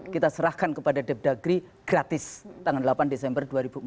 kita serahkan kepada depdagri gratis tanggal delapan desember dua ribu empat belas